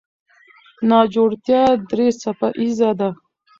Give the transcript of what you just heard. ناجوړتیا درې څپه ایزه ده.